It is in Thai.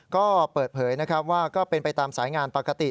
ก็เปิดเผยนะครับว่าก็เป็นไปตามสายงานปกติ